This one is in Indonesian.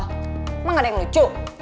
emang gak ada yang lucu